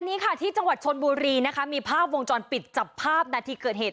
นี้ค่ะที่จังหวัดชนบุรีนะคะมีภาพวงจรปิดจับภาพนาทีเกิดเหตุ